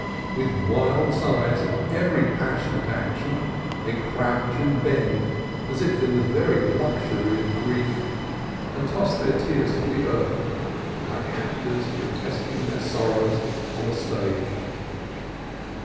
With wild sighs and every passionate action they crouch and bend as if in the very luxury of grief, and toss their tears to the earth like actors protesting their sorrows on a stage.